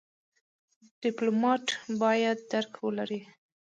ډيپلومات بايد درک ولري.